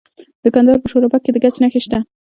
د کندهار په شورابک کې د ګچ نښې شته.